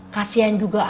kasian juga bu guru